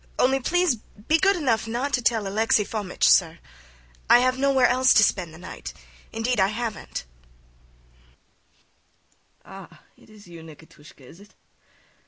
Only please be good enough not to tell Alexi Fomitch, sir. I have nowhere else to spend the night; indeed, I haven't. SVIETLOVIDOFF. Ah! It is you, Nikitushka, is it?